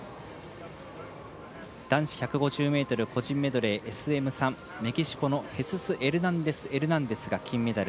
男子１５０ｍ個人メドレーＳＭ３、メキシコのヘスス・エルナンデスエルナンデスが金メダル。